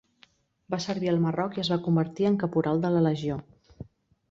Va servir al Marroc i es va convertir en caporal de la legió.